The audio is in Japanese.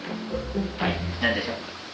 はい何でしょう？